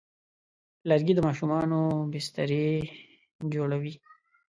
لرګی د ماشومانو بسترې جوړوي.